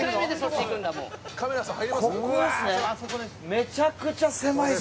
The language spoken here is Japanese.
めちゃくちゃ狭いですね。